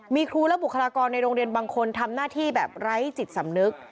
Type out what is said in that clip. มีครูและบุคลากรในโรงเรียนบางคนทำหน้าที่แบบไร้จิตสำนึก